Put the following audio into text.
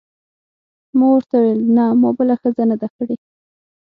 ما ورته وویل: نه، ما بله ښځه نه ده کړې.